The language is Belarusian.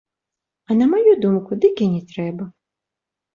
А на маю думку, дык і не трэба.